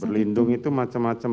berlindung itu macam macam